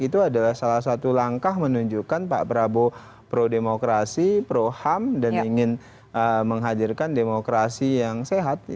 itu adalah salah satu langkah menunjukkan pak prabowo pro demokrasi pro ham dan ingin menghadirkan demokrasi yang sehat